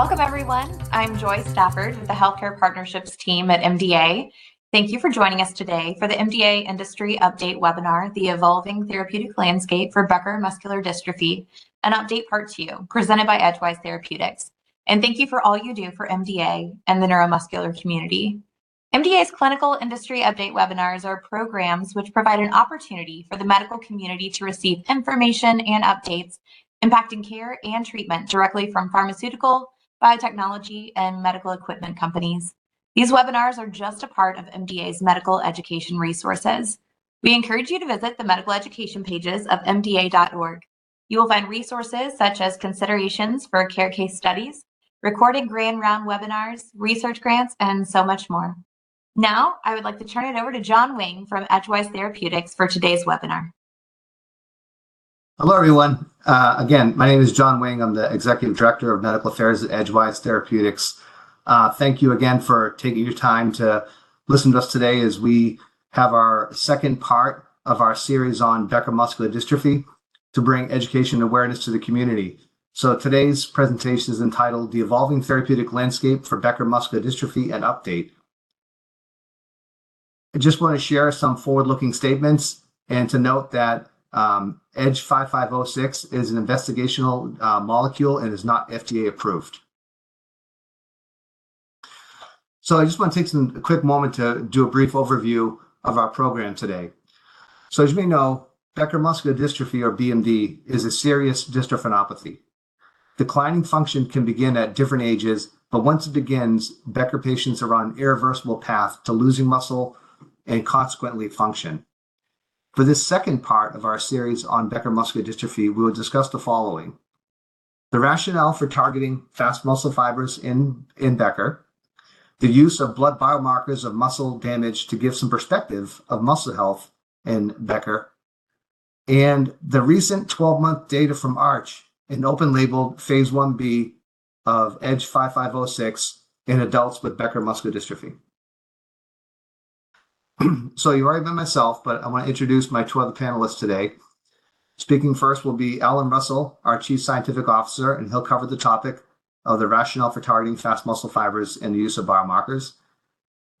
Welcome, everyone. I'm Joy Stafford with the Healthcare Partnerships team at MDA. Thank you for joining us today for the MDA Industry Update webinar, The Evolving Therapeutic Landscape for Becker Muscular Dystrophy, an update part two presented by Edgewise Therapeutics. And thank you for all you do for MDA and the neuromuscular community. MDA's Clinical Industry Update webinars are programs which provide an opportunity for the medical community to receive information and updates impacting care and treatment directly from pharmaceutical, biotechnology, and medical equipment companies. These webinars are just a part of MDA's medical education resources. We encourage you to visit the medical education pages of mda.org. You will find resources such as Considerations for Care case studies, recorded Grand Rounds webinars, research grants, and so much more. Now, I would like to turn it over to John Wang from Edgewise Therapeutics for today's webinar. Hello, everyone. Again, my name is John Wang. I'm the Executive Director of Medical Affairs at Edgewise Therapeutics. Thank you again for taking your time to listen to us today as we have our second part of our series on Becker muscular dystrophy to bring education and awareness to the community. Today's presentation is entitled The Evolving Therapeutic Landscape for Becker Muscular Dystrophy: An Update. I just want to share some forward-looking statements and to note that EDG-5506 is an investigational molecule and is not FDA approved. I just want to take a quick moment to do a brief overview of our program today. As you may know, Becker muscular dystrophy, or BMD, is a serious dystrophinopathy. Declining function can begin at different ages, but once it begins, Becker patients are on an irreversible path to losing muscle and consequently function. For this second part of our series on Becker muscular dystrophy, we will discuss the following: the rationale for targeting fast muscle fibers in Becker, the use of blood biomarkers of muscle damage to give some perspective of muscle health in Becker, and the recent 12-month data from ARCH and open-label phase 1b of EDG-5506 in adults with Becker muscular dystrophy. So you've already met myself, but I want to introduce my two panelists today. Speaking first will be Alan Russell, our Chief Scientific Officer, and he'll cover the topic of the rationale for targeting fast muscle fibers and the use of biomarkers.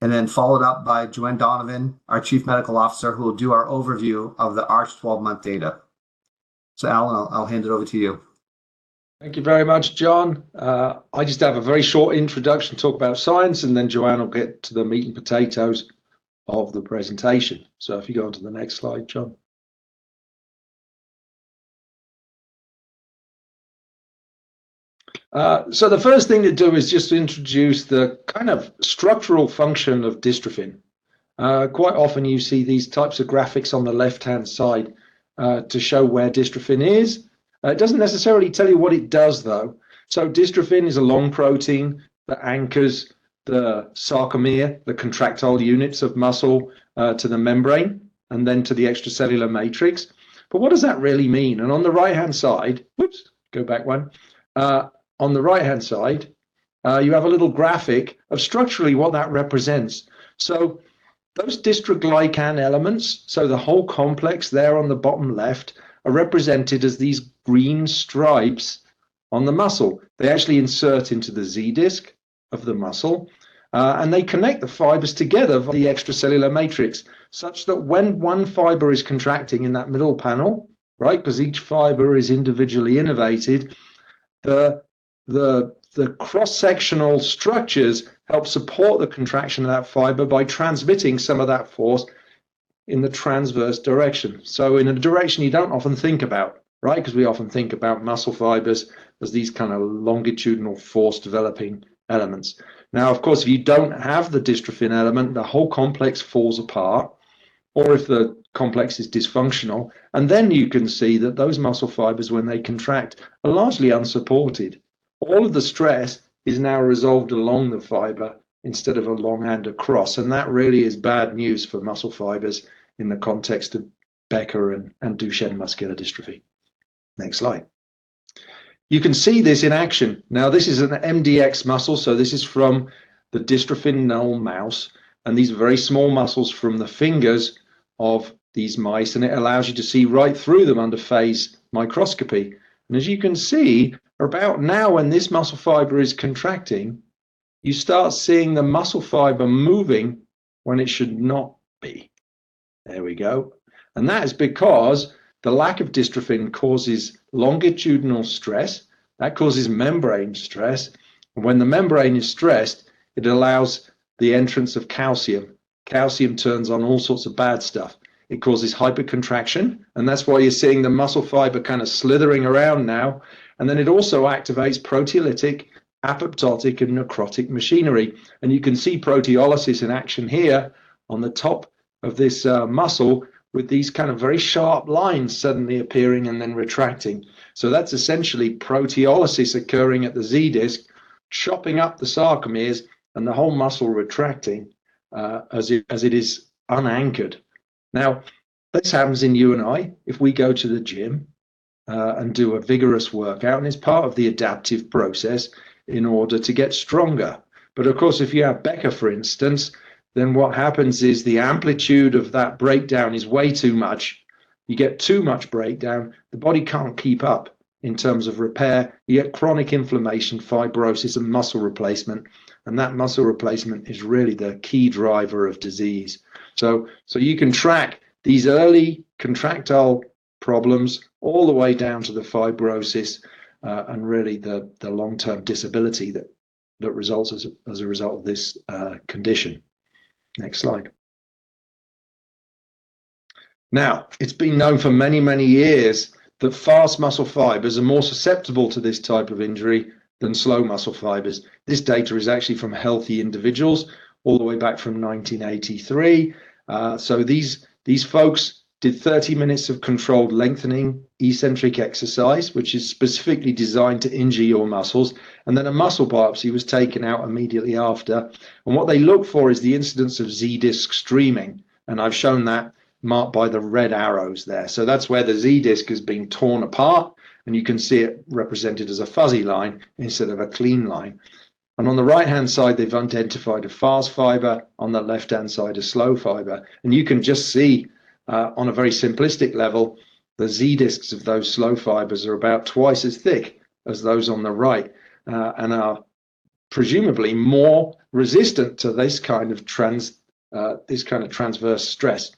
And then followed up by Joanne Donovan, our Chief Medical Officer, who will do our overview of the ARCH 12-month data. So Alan, I'll hand it over to you. Thank you very much, John. I just have a very short introduction to talk about science, and then Joanne will get to the meat and potatoes of the presentation, so if you go on to the next slide, John, so the first thing to do is just to introduce the kind of structural function of dystrophin. Quite often, you see these types of graphics on the left-hand side to show where dystrophin is. It doesn't necessarily tell you what it does, though, so dystrophin is a long protein that anchors the sarcomere, the contractile units of muscle, to the membrane and then to the extracellular matrix. But what does that really mean, and on the right-hand side, oops, go back one, on the right-hand side, you have a little graphic of structurally what that represents. Those dystroglycan elements, so the whole complex there on the bottom left, are represented as these green stripes on the muscle. They actually insert into the Z-disc of the muscle, and they connect the fibers together via the extracellular matrix such that when one fiber is contracting in that middle panel, right, because each fiber is individually innervated, the cross-sectional structures help support the contraction of that fiber by transmitting some of that force in the transverse direction. Those elements provide support in a direction you don't often think about, right, because we often think about muscle fibers as these kind of longitudinal force-developing elements. Now, of course, if you don't have the dystrophin element, the whole complex falls apart, or if the complex is dysfunctional. Then you can see that those muscle fibers, when they contract, are largely unsupported. All of the stress is now resolved along the fiber instead of along and across. And that really is bad news for muscle fibers in the context of Becker and Duchenne muscular dystrophy. Next slide. You can see this in action. Now, this is an MDX muscle, so this is from the dystrophin null mouse, and these are very small muscles from the fingers of these mice, and it allows you to see right through them under phase microscopy. And as you can see, about now when this muscle fiber is contracting, you start seeing the muscle fiber moving when it should not be. There we go. And that is because the lack of dystrophin causes longitudinal stress. That causes membrane stress. And when the membrane is stressed, it allows the entrance of calcium. Calcium turns on all sorts of bad stuff. It causes hypercontraction, and that's why you're seeing the muscle fiber kind of slithering around now, and then it also activates proteolytic, apoptotic, and necrotic machinery, and you can see proteolysis in action here on the top of this muscle with these kind of very sharp lines suddenly appearing and then retracting, so that's essentially proteolysis occurring at the Z-disc, chopping up the sarcomeres and the whole muscle retracting as it is unanchored. Now, this happens in you and I if we go to the gym and do a vigorous workout, and it's part of the adaptive process in order to get stronger, but of course, if you have Becker, for instance, then what happens is the amplitude of that breakdown is way too much. You get too much breakdown. The body can't keep up in terms of repair. You get chronic inflammation, fibrosis, and muscle replacement. That muscle replacement is really the key driver of disease. You can track these early contractile problems all the way down to the fibrosis and really the long-term disability that results as a result of this condition. Next slide. It's been known for many, many years that fast muscle fibers are more susceptible to this type of injury than slow muscle fibers. This data is actually from healthy individuals all the way back from 1983. These folks did 30 minutes of controlled lengthening eccentric exercise, which is specifically designed to injure your muscles. Then a muscle biopsy was taken out immediately after. What they look for is the incidence of Z-disc streaming. I've shown that marked by the red arrows there. That's where the Z-disc has been torn apart. You can see it represented as a fuzzy line instead of a clean line. On the right-hand side, they've identified a fast fiber. On the left-hand side, a slow fiber. You can just see on a very simplistic level, the Z-discs of those slow fibers are about twice as thick as those on the right and are presumably more resistant to this kind of transverse stress.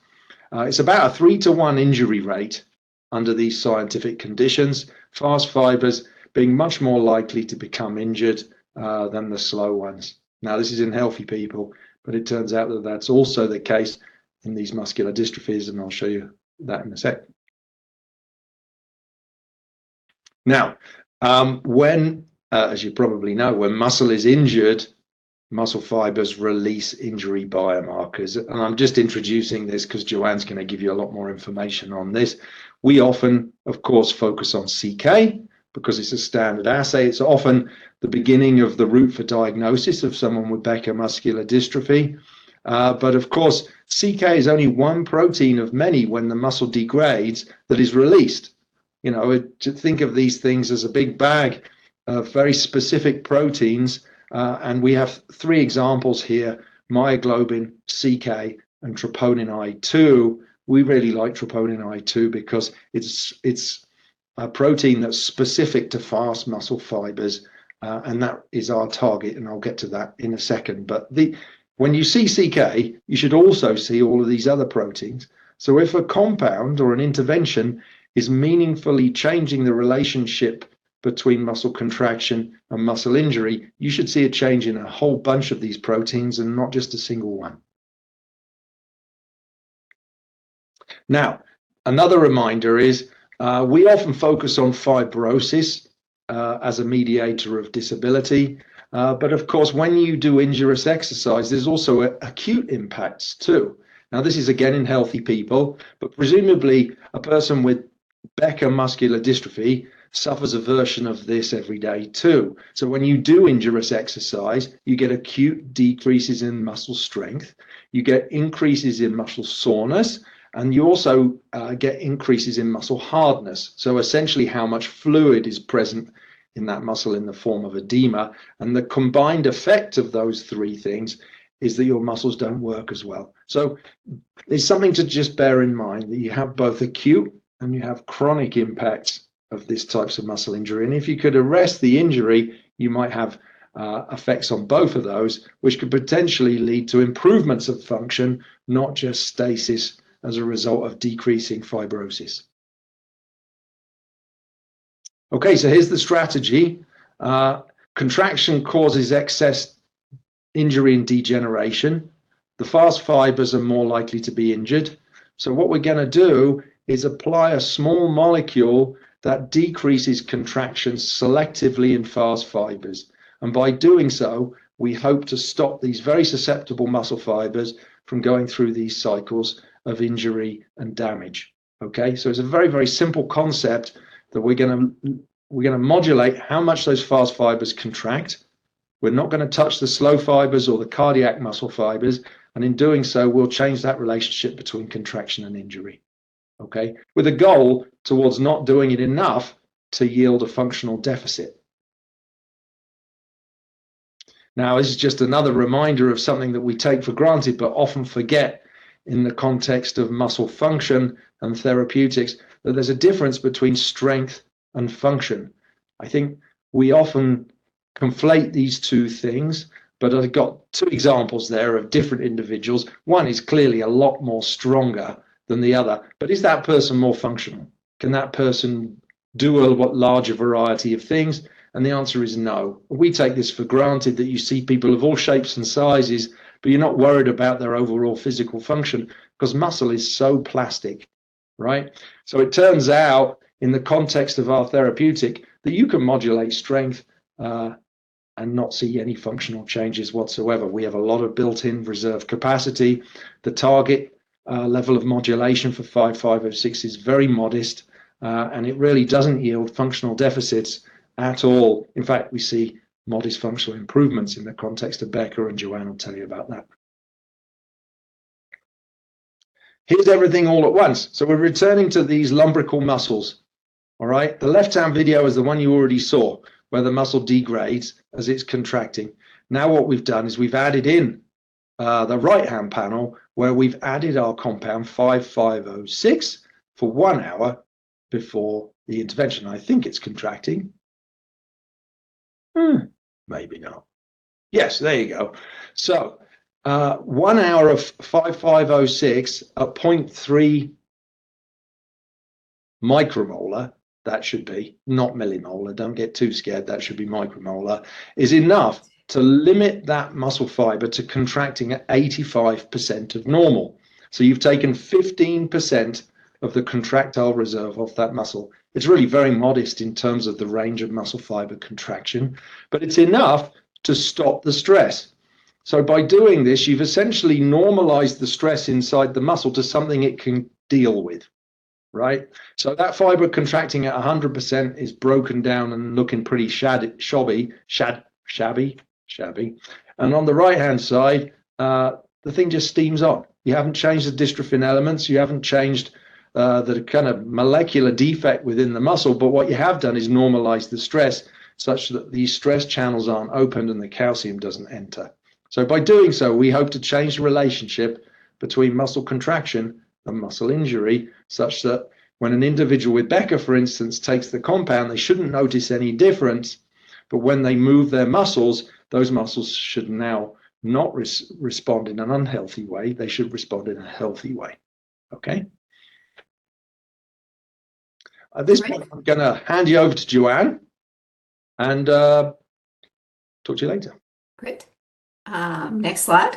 It's about a three-to-one injury rate under these scientific conditions, fast fibers being much more likely to become injured than the slow ones. Now, this is in healthy people, but it turns out that that's also the case in these muscular dystrophies, and I'll show you that in a sec. Now, as you probably know, when muscle is injured, muscle fibers release injury biomarkers. I'm just introducing this because Joanne's going to give you a lot more information on this. We often, of course, focus on CK because it's a standard assay. It's often the beginning of the route for diagnosis of someone with Becker muscular dystrophy. But of course, CK is only one protein of many when the muscle degrades that is released. You know, think of these things as a big bag of very specific proteins. And we have three examples here: myoglobin, CK, and Troponin I 2. We really like Troponin I 2 because it's a protein that's specific to fast muscle fibers, and that is our target. And I'll get to that in a second. But when you see CK, you should also see all of these other proteins. So if a compound or an intervention is meaningfully changing the relationship between muscle contraction and muscle injury, you should see a change in a whole bunch of these proteins and not just a single one. Now, another reminder is we often focus on fibrosis as a mediator of disability. But of course, when you do injurious exercise, there's also acute impacts too. Now, this is again in healthy people, but presumably a person with Becker muscular dystrophy suffers a version of this every day too. So when you do injurious exercise, you get acute decreases in muscle strength. You get increases in muscle soreness, and you also get increases in muscle hardness. So essentially, how much fluid is present in that muscle in the form of edema. And the combined effect of those three things is that your muscles don't work as well. So there's something to just bear in mind that you have both acute and you have chronic impacts of this type of muscle injury. And if you could arrest the injury, you might have effects on both of those, which could potentially lead to improvements of function, not just stasis as a result of decreasing fibrosis. Okay, so here's the strategy. Contraction causes excess injury and degeneration. The fast fibers are more likely to be injured. So what we're going to do is apply a small molecule that decreases contraction selectively in fast fibers. And by doing so, we hope to stop these very susceptible muscle fibers from going through these cycles of injury and damage. Okay, so it's a very, very simple concept that we're going to modulate how much those fast fibers contract. We're not going to touch the slow fibers or the cardiac muscle fibers. And in doing so, we'll change that relationship between contraction and injury, okay, with a goal towards not doing it enough to yield a functional deficit. Now, this is just another reminder of something that we take for granted, but often forget in the context of muscle function and therapeutics, that there's a difference between strength and function. I think we often conflate these two things, but I've got two examples there of different individuals. One is clearly a lot more stronger than the other. But is that person more functional? Can that person do a larger variety of things? And the answer is no. We take this for granted that you see people of all shapes and sizes, but you're not worried about their overall physical function because muscle is so plastic, right? So it turns out in the context of our therapeutic that you can modulate strength and not see any functional changes whatsoever. We have a lot of built-in reserve capacity. The target level of modulation for 5506 is very modest, and it really doesn't yield functional deficits at all. In fact, we see modest functional improvements in the context of Becker, and Joanne will tell you about that. Here's everything all at once. So we're returning to these lumbrical muscles. All right, the left-hand video is the one you already saw where the muscle degrades as it's contracting. Now, what we've done is we've added in the right-hand panel where we've added our compound 5506 for one hour before the intervention. I think it's contracting. Maybe not. Yes, there you go. So one hour of 5506 at 0.3 micromolar, that should be not millimolar. Don't get too scared. That should be micromolar, is enough to limit that muscle fiber to contracting at 85% of normal. So you've taken 15% of the contractile reserve of that muscle. It's really very modest in terms of the range of muscle fiber contraction, but it's enough to stop the stress. So by doing this, you've essentially normalized the stress inside the muscle to something it can deal with, right? So that fiber contracting at 100% is broken down and looking pretty shabby. And on the right-hand side, the thing just steams up. You haven't changed the dystrophin elements. You haven't changed the kind of molecular defect within the muscle. But what you have done is normalize the stress such that these stress channels aren't opened and the calcium doesn't enter. So by doing so, we hope to change the relationship between muscle contraction and muscle injury such that when an individual with Becker, for instance, takes the compound, they shouldn't notice any difference. But when they move their muscles, those muscles should now not respond in an unhealthy way. They should respond in a healthy way. Okay. At this point, I'm going to hand you over to Joanne and talk to you later. Great. Next slide.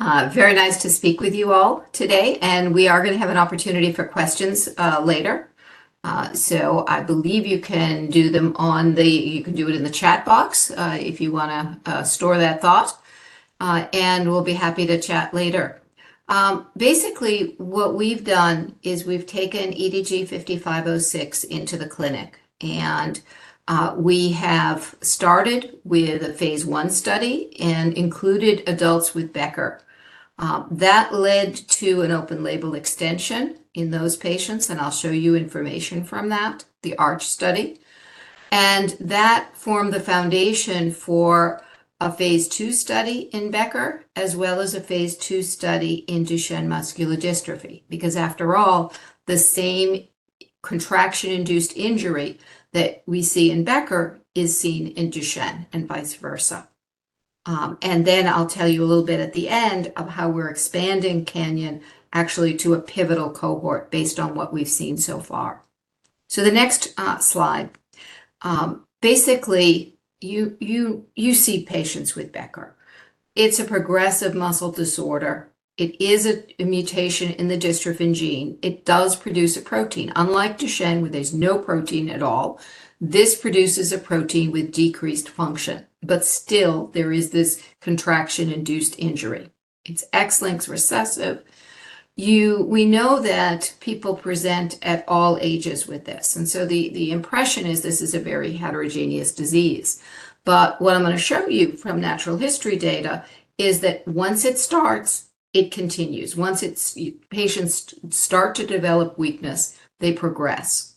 Very nice to speak with you all today. And we are going to have an opportunity for questions later. So I believe you can do it in the chat box if you want to store that thought. And we'll be happy to chat later. Basically, what we've done is we've taken EDG-5506 into the clinic. And we have started with a phase one study and included adults with Becker. That led to an open label extension in those patients. And I'll show you information from that, the ARCH study. And that formed the foundation for a phase two study in Becker as well as a phase two study in Duchenne muscular dystrophy because, after all, the same contraction-induced injury that we see in Becker is seen in Duchenne and vice versa. And then I'll tell you a little bit at the end of how we're expanding CANYON actually to a pivotal cohort based on what we've seen so far. So the next slide, basically, you see patients with Becker. It's a progressive muscle disorder. It is a mutation in the Dystrophin gene. It does produce a protein. Unlike Duchenne, where there's no protein at all, this produces a protein with decreased function. But still, there is this contraction-induced injury. It's X-linked recessive. We know that people present at all ages with this. And so the impression is this is a very heterogeneous disease. But what I'm going to show you from natural history data is that once it starts, it continues. Once patients start to develop weakness, they progress.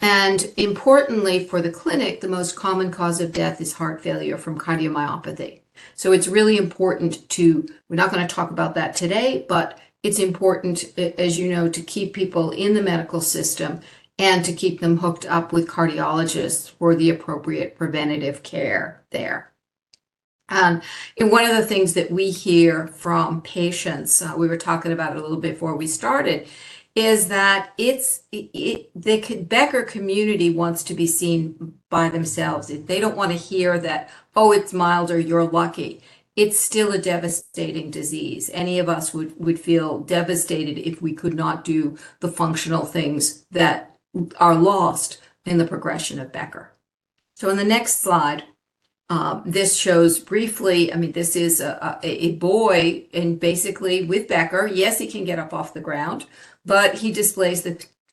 And importantly, for the clinic, the most common cause of death is heart failure from cardiomyopathy. So it's really important to, we're not going to talk about that today, but it's important, as you know, to keep people in the medical system and to keep them hooked up with cardiologists for the appropriate preventative care there. And one of the things that we hear from patients, we were talking about it a little bit before we started, is that the Becker community wants to be seen by themselves. They don't want to hear that, "Oh, it's milder. You're lucky." It's still a devastating disease. Any of us would feel devastated if we could not do the functional things that are lost in the progression of Becker. So on the next slide, this shows briefly, I mean, this is a boy basically with Becker. Yes, he can get up off the ground, but he displays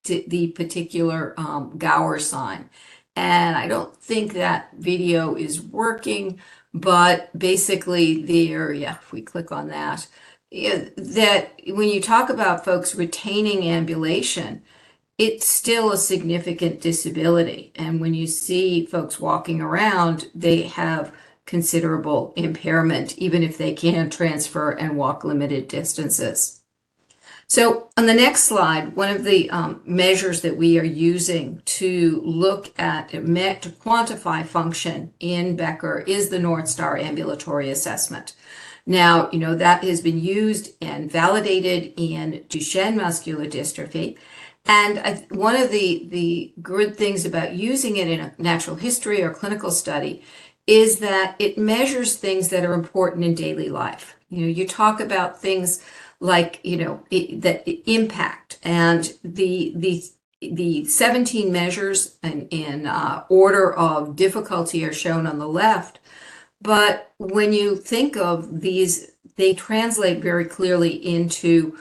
the particular Gowers sign. And I don't think that video is working, but basically, the area, if we click on that, that when you talk about folks retaining ambulation, it's still a significant disability. And when you see folks walking around, they have considerable impairment, even if they can transfer and walk limited distances. So on the next slide, one of the measures that we are using to look at, to quantify function in Becker is the North Star Ambulatory Assessment. Now, that has been used and validated in Duchenne muscular dystrophy. And one of the good things about using it in a natural history or clinical study is that it measures things that are important in daily life. You talk about things like the impact. And the 17 measures in order of difficulty are shown on the left. But when you think of these, they translate very clearly into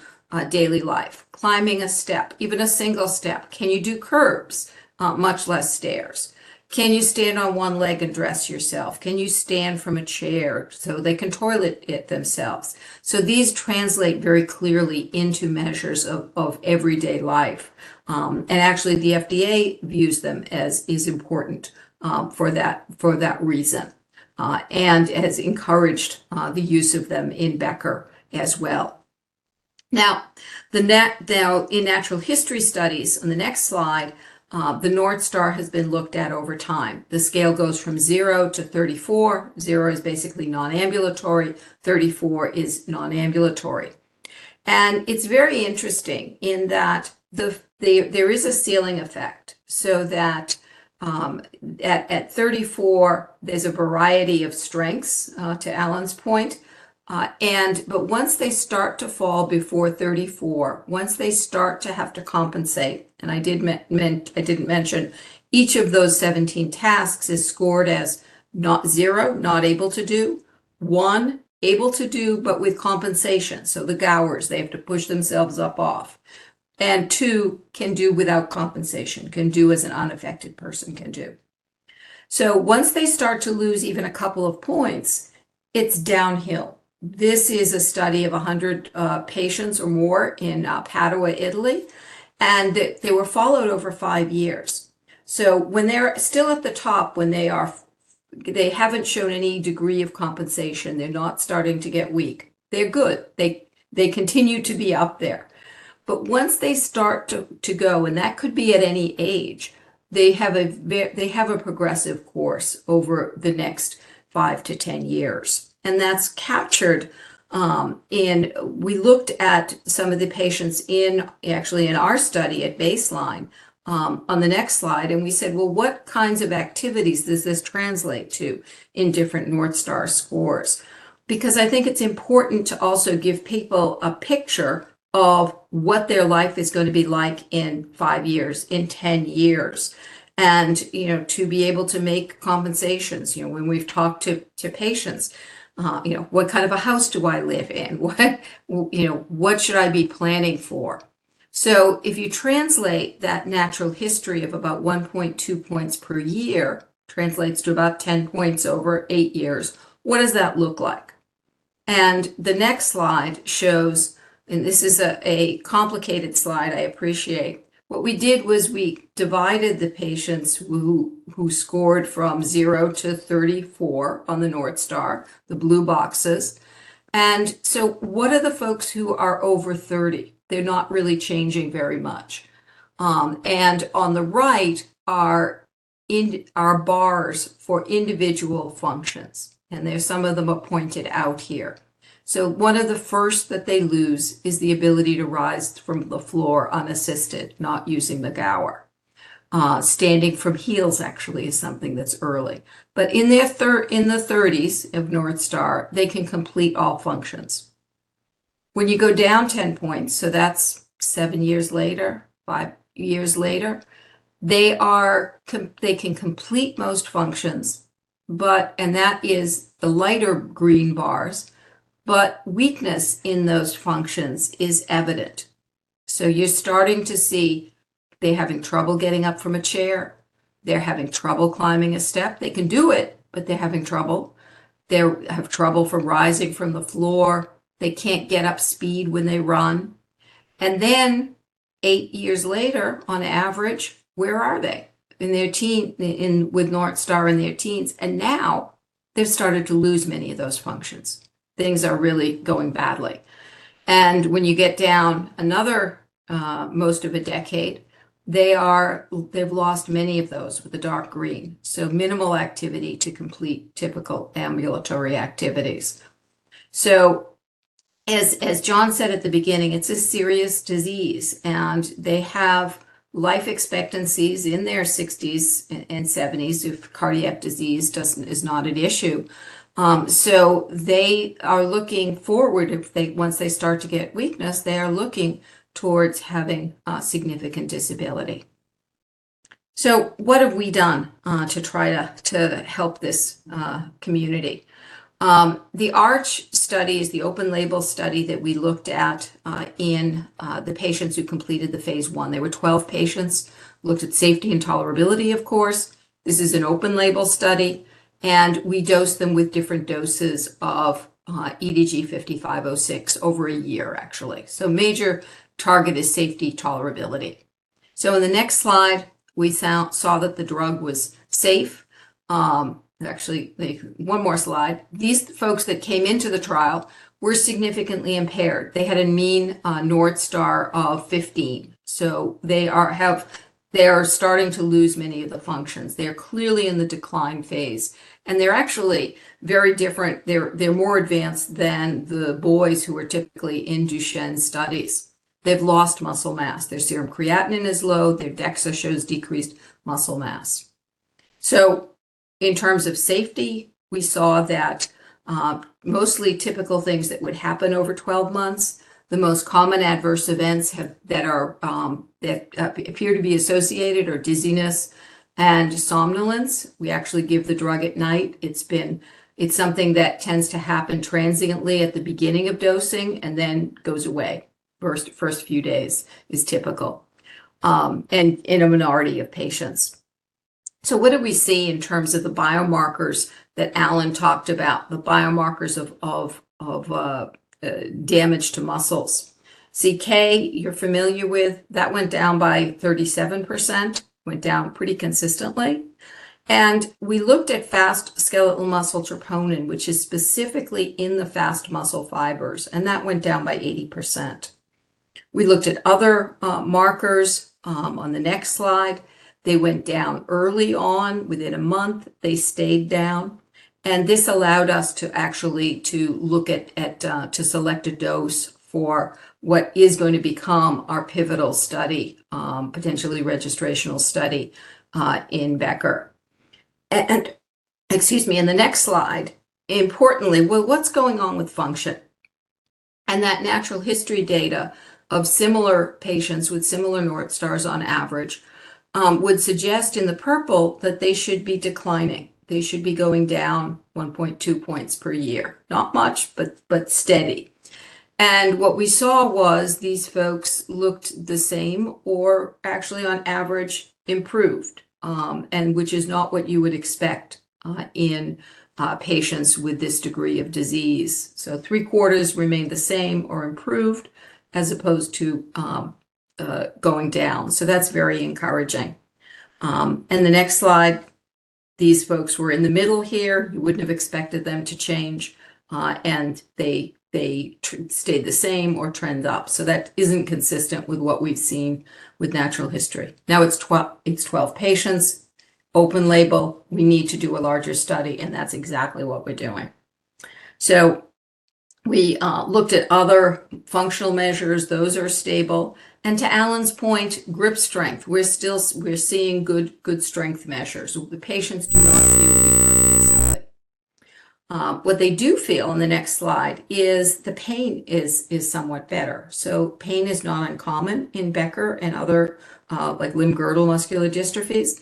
daily life. Climbing a step, even a single step. Can you do curbs? Much less stairs. Can you stand on one leg and dress yourself? Can you stand from a chair so they can toilet themselves? So these translate very clearly into measures of everyday life. And actually, the FDA views them as important for that reason and has encouraged the use of them in Becker as well. Now, in natural history studies, on the next slide, the North Star has been looked at over time. The scale goes from zero to 34. Zero is basically non-ambulatory. 34 is non-ambulatory. And it's very interesting in that there is a ceiling effect so that at 34, there's a variety of strengths, to Alan's point. But once they start to fall before 34, once they start to have to compensate, and I didn't mention, each of those 17 tasks is scored as not zero, not able to do, one, able to do, but with compensation. So the Gowers, they have to push themselves up off. And two, can do without compensation, can do as an unaffected person can do. So once they start to lose even a couple of points, it's downhill. This is a study of 100 patients or more in Padua, Italy. And they were followed over five years. So when they're still at the top, they haven't shown any degree of compensation. They're not starting to get weak. They're good. They continue to be up there. But once they start to go, and that could be at any age, they have a progressive course over the next five to 10 years. And that's captured in, we looked at some of the patients actually in our study at baseline on the next slide. And we said, "Well, what kinds of activities does this translate to in different North Star scores?" Because I think it's important to also give people a picture of what their life is going to be like in five years, in 10 years, and to be able to make compensations. When we've talked to patients, "What kind of a house do I live in? What should I be planning for?" So if you translate that natural history of about 1.2 points per year translates to about 10 points over eight years, what does that look like? And the next slide shows, and this is a complicated slide, I appreciate, what we did was we divided the patients who scored from zero to 34 on the North Star, the blue boxes. And so what are the folks who are over 30? They're not really changing very much. And on the right are our bars for individual functions. And there's some of them pointed out here. So one of the first that they lose is the ability to rise from the floor unassisted, not using the Gower's. Standing from heels actually is something that's early. But in the 30s of North Star, they can complete all functions. When you go down 10 points, so that's seven years later, five years later, they can complete most functions, and that is the lighter green bars. But weakness in those functions is evident. So you're starting to see they're having trouble getting up from a chair. They're having trouble climbing a step. They can do it, but they're having trouble. They have trouble from rising from the floor. They can't get up speed when they run. And then eight years later, on average, where are they with North Star in their teens? And now they've started to lose many of those functions. Things are really going badly. And when you get down another most of a decade, they've lost many of those with the dark green. So minimal activity to complete typical ambulatory activities. So as John said at the beginning, it's a serious disease. And they have life expectancies in their 60s and 70s if cardiac disease is not an issue. So they are looking forward if once they start to get weakness, they are looking towards having significant disability. So what have we done to try to help this community? The ARCH study is the open label study that we looked at in the patients who completed the phase one. There were 12 patients. Looked at safety and tolerability, of course. This is an open-label study and we dosed them with different doses of EDG-5506 over a year, actually, so major target is safety tolerability, so in the next slide, we saw that the drug was safe. Actually, one more slide. These folks that came into the trial were significantly impaired. They had a mean North Star of 15, so they are starting to lose many of the functions. They're clearly in the decline phase and they're actually very different. They're more advanced than the boys who are typically in Duchenne studies. They've lost muscle mass. Their serum creatinine is low. Their DEXA shows decreased muscle mass, so in terms of safety, we saw that mostly typical things that would happen over 12 months, the most common adverse events that appear to be associated are dizziness and somnolence. We actually give the drug at night. It's something that tends to happen transiently at the beginning of dosing and then goes away. First few days is typical in a minority of patients. So what do we see in terms of the biomarkers that Alan talked about, the biomarkers of damage to muscles? CK, you're familiar with. That went down by 37%. Went down pretty consistently. And we looked at fast skeletal muscle troponin, which is specifically in the fast muscle fibers. And that went down by 80%. We looked at other markers on the next slide. They went down early on. Within a month, they stayed down. And this allowed us to actually look at to select a dose for what is going to become our pivotal study, potentially registrational study in Becker. And excuse me, in the next slide, importantly, well, what's going on with function? And that natural history data of similar patients with similar North Star on average would suggest in the purple that they should be declining. They should be going down 1.2 points per year. Not much, but steady. And what we saw was these folks looked the same or actually, on average, improved, which is not what you would expect in patients with this degree of disease. So three-quarters remained the same or improved as opposed to going down. So that's very encouraging. And the next slide, these folks were in the middle here. You wouldn't have expected them to change. And they stayed the same or trend up. So that isn't consistent with what we've seen with natural history. Now, it's 12 patients, open label. We need to do a larger study. And that's exactly what we're doing. So we looked at other functional measures. Those are stable. And to Alan's point, grip strength. We're seeing good strength measures. The patients do not feel any pain. But what they do feel in the next slide is the pain is somewhat better. So pain is not uncommon in Becker and other limb-girdle muscular dystrophies.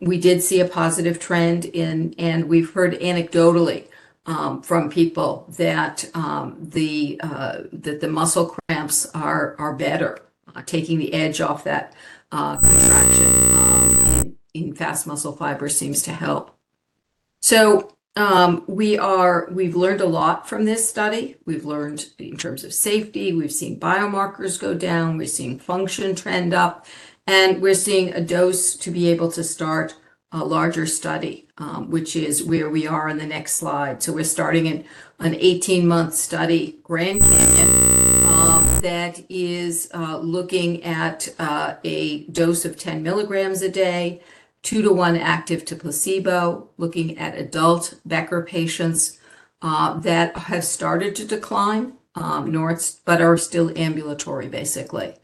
We did see a positive trend in. And we've heard anecdotally from people that the muscle cramps are better. Taking the edge off that contraction in fast muscle fiber seems to help. So we've learned a lot from this study. We've learned in terms of safety. We've seen biomarkers go down. We've seen function trend up. And we're seeing a dose to be able to start a larger study, which is where we are on the next slide. We're starting an 18-month study GRAND CANYON that is looking at a dose of 10 milligrams a day, two to one active to placebo, looking at adult Becker patients that have started to decline, but are still ambulatory, basically.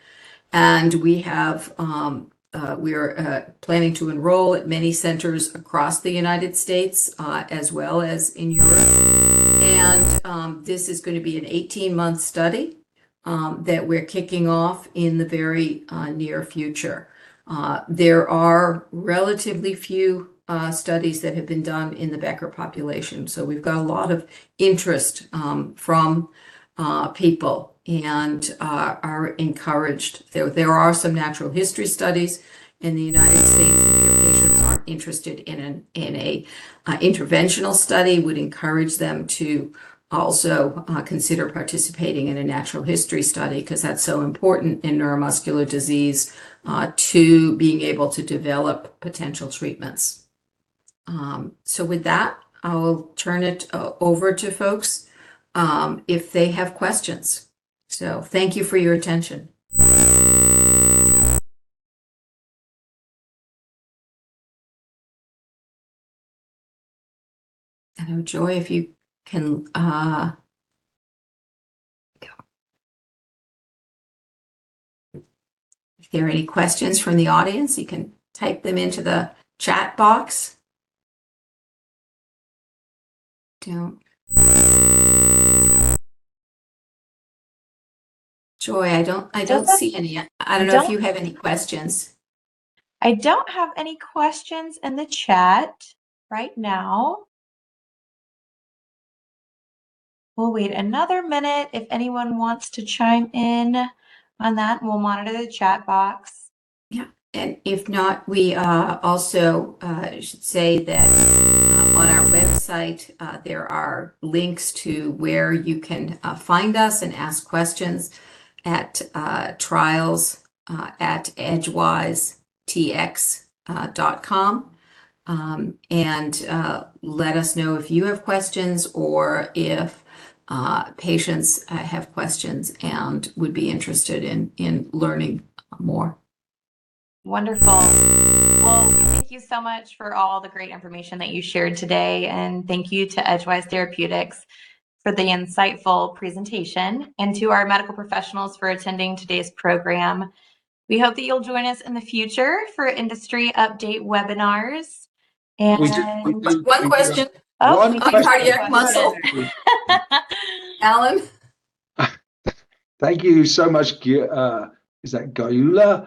We are planning to enroll at many centers across the United States as well as in Europe. This is going to be an 18-month study that we're kicking off in the very near future. There are relatively few studies that have been done in the Becker population. We've got a lot of interest from people and are encouraged. There are some natural history studies in the United States. If patients aren't interested in an interventional study, we'd encourage them to also consider participating in a natural history study because that's so important in neuromuscular disease to being able to develop potential treatments. With that, I'll turn it over to folks if they have questions. Thank you for your attention. Joy, if you can, there are any questions from the audience, you can type them into the chat box. Joy, I don't see any. I don't know if you have any questions. I don't have any questions in the chat right now. We'll wait another minute if anyone wants to chime in on that. We'll monitor the chat box. Yeah, and if not, we also should say that on our website, there are links to where you can find us and ask questions at trials@edgewisetx.com, and let us know if you have questions or if patients have questions and would be interested in learning more. Wonderful. Well, thank you so much for all the great information that you shared today, and thank you to Edgewise Therapeutics for the insightful presentation and to our medical professionals for attending today's program. We hope that you'll join us in the future for industry update webinars. One question. On cardiac muscle. Alan. Thank you so much. Is that Gyula?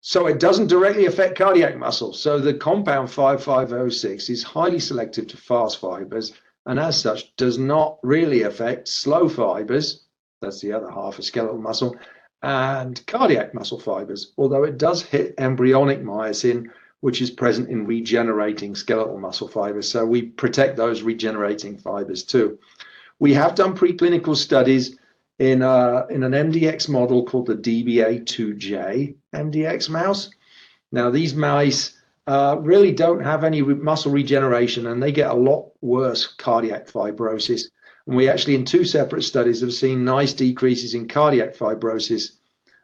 So it doesn't directly affect cardiac muscle. So the compound EDG-5506 is highly selective to fast fibers and as such, does not really affect slow fibers. That's the other half of skeletal muscle and cardiac muscle fibers, although it does hit embryonic myosin, which is present in regenerating skeletal muscle fibers. So we protect those regenerating fibers too. We have done preclinical studies in an MDX model called the DBA/2J-mdx mouse. Now, these mice really don't have any muscle regeneration, and they get a lot worse cardiac fibrosis. And we actually, in two separate studies, have seen nice decreases in cardiac fibrosis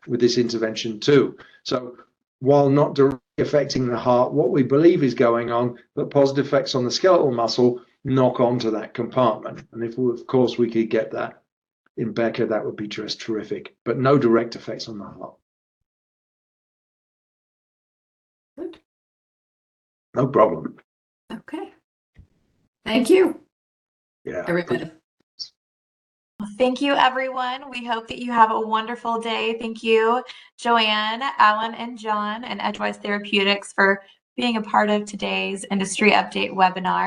with this intervention too. So while not directly affecting the heart, what we believe is going on, but positive effects on the skeletal muscle knock onto that compartment. If, of course, we could get that in Becker, that would be just terrific, but no direct effects on the heart. No problem. Okay. Thank you. Yeah. Everybody. Thank you, everyone. We hope that you have a wonderful day. Thank you, Joanne, Alan, and John, and Edgewise Therapeutics for being a part of today's industry update webinar.